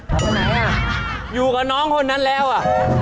เอาไปไหนอ่ะอยู่กับน้องคนนั้นแล้วอ่ะ